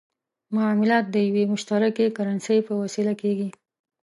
معاملات د یوې مشترکې کرنسۍ په وسیله کېږي.